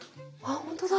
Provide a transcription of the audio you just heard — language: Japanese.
本当だ。